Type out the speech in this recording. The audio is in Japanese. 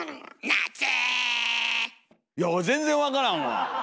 「夏」いや俺全然分からんわ。